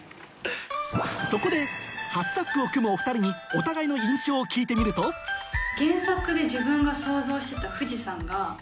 そこで初タッグを組むお２人にお互いの印象を聞いてみるとと思っちゃう自分がいて。